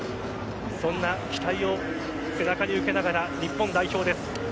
そんな期待を背中に受けながら日本代表です。